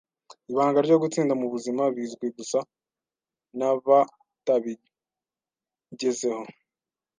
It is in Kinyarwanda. Ibanga ryo gutsinda mubuzima bizwi gusa nabatabigezeho.